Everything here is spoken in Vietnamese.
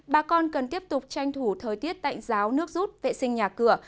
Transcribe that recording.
bà con cần tiếp tục tranh thủ thời tiết tạnh giáo nước rút vệ sinh nhà cửa